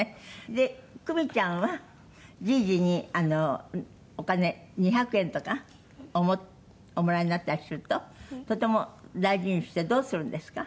でクミちゃんはじいじにお金２００円とかおもらいになったりするととても大事にしてどうするんですか？